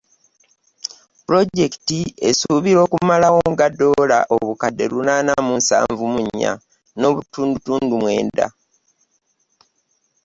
Pulojekiti esuubirwa okumalawo nga ddoola obukadde lunaana mu nsanvu mu nnya n'obutundutundu mwenda.